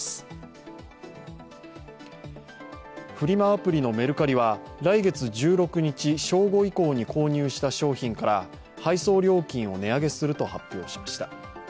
アプリのメルカリは来月１６日正午以降に購入した商品から、配送料金を値上げすると発表しました。